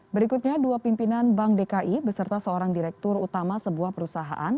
berikutnya dua pimpinan bank dki beserta seorang direktur utama sebuah perusahaan